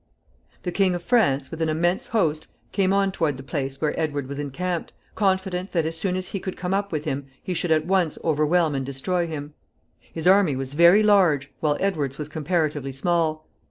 The King of France, with an immense host, came on toward the place where Edward was encamped, confident that, as soon as he could come up with him, he should at once overwhelm and destroy him. His army was very large, while Edward's was comparatively small.